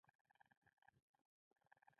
• واده د ژوند د خوښۍ دروازه خلاصوي.